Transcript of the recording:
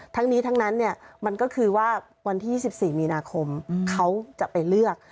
ทั้งนี้ทั้งนั้นมันก็คือว่าวันที่๒๔มีนาคมเขาจะไปเลือก